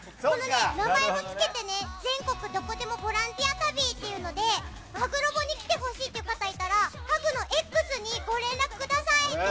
名前を付けて「全国どこでもボランティア旅！」というのでハグロボに来てほしいって方がいたらハグのＸにご連絡ください。